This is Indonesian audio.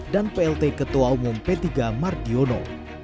dan plt ketua umum p tiga mardiono